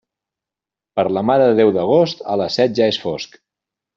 Per la Mare de Déu d'Agost, a les set ja és fosc.